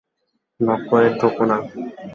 Knock করে ঢোকো না?